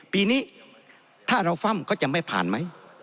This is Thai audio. ปีนี้ถ้าเราฟ่ำก็จะไม่ผ่านไหม